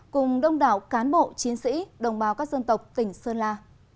cùng đông đảo cán bộ chiến sĩ đồng bào các dân tộc tỉnh sơn la